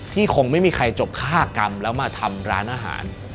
คงไม่มีใครจบฆ่ากรรมแล้วมาทำร้านอาหาร